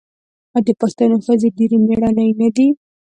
آیا د پښتنو ښځې ډیرې میړنۍ نه دي؟